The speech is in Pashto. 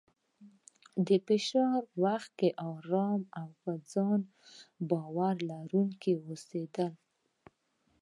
د فشار وخت کې ارام او په ځان باور لرونکی اوسېدل،